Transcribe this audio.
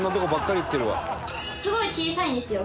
すごい小さいんですよ